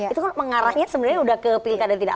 itu kan mengarahnya sebenarnya sudah ke pilih keadaan tidak